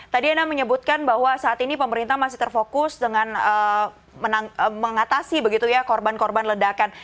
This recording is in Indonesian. tadi anda menyebutkan bahwa saat ini pemerintah masih terfokus dengan mengatasi begitu ya korban korban ledakan